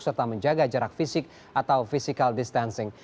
serta menjaga jarak fisik atau physical distancing